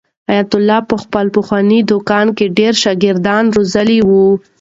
حیات الله په خپل پخواني دوکان کې ډېر شاګردان روزلي وو.